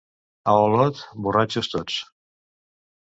A Olot, borratxos tots.